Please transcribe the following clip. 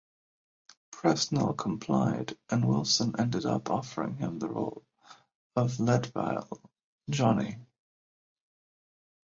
Presnell complied and Wilson ended up offering him the role of Leadville Johnny.